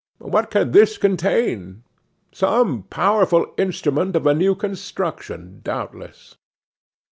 What can this contain? Some powerful instrument of a new construction, doubtless.